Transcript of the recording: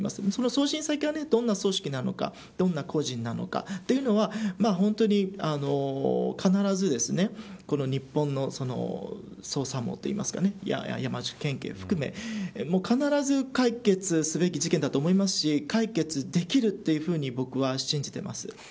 送信先がどんな組織なのかどんな個人なのかというのは必ず日本の捜査網といいますか山口県警を含め必ず解決すべき事件だと思いますし解決できると僕は信じています。